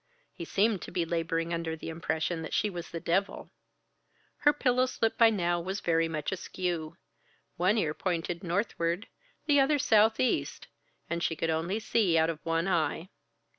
He seemed to be laboring under the impression that she was the devil. Her pillow slip by now was very much askew; one ear pointed northward, the other southeast, and she could only see out of one eye.